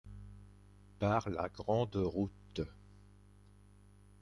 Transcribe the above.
Par la grande route.